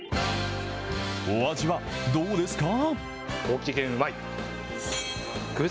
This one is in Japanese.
お味はどうですか？